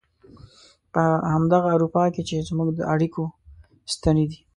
په همدغه اروپا کې چې زموږ د اړيکو ستنې دي.